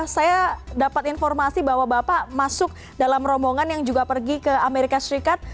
saya dapat informasi bahwa bapak masuk dalam rombongan yang juga pergi ke amerika serikat